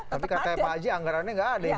tapi katanya pak haji anggarannya nggak ada